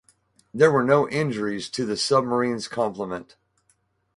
There were no injuries to the submarine's complement.